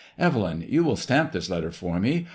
Evelyn, you will stamp this letter for me.